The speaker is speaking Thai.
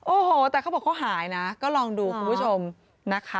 โอ้โหแต่เขาบอกเขาหายนะก็ลองดูคุณผู้ชมนะคะ